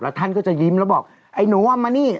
ท่านก็จะยิ้มแล้วบอกไอ้หนูเอามานี่